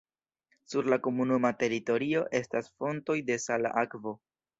Sur la komunuma teritorio estas fontoj de sala akvo.